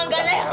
nggak layak nung